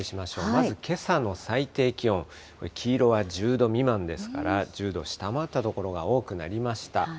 まずけさの最低気温、これ、黄色は１０度未満ですから、１０度下回った所が多くなりました。